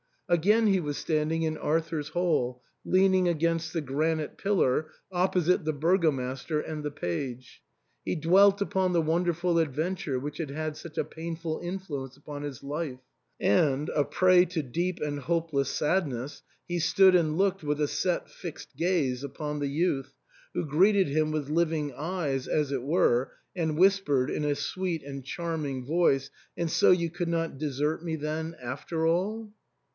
Again he was standing in Arthur's Hail, leaning against the granite pillar, opposite the burgomaster and the page ; he dwelt upon the wonderful adventure which had had such a painful influence upon his life ; and, a prey to deep and ho[>eless sadness, he stood and looked with a set fixed gaze upon the youth, who greeted him with living eyes, as it were, and whispered in a sweet and charming voice, "And so you could not desert me then after all